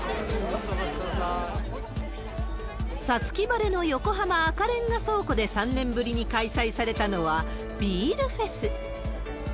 五月晴れの横浜・赤レンガ倉庫で３年ぶりに開催されたのは、ビールフェス。